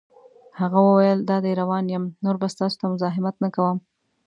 هغه وویل: دادی روان یم، نور به ستاسو ته مزاحمت نه کوم.